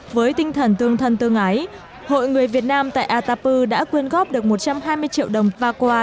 với tinh thần tương thân tương ái hội người việt nam tại atapu đã quyên góp được một trăm hai mươi triệu đồng và quà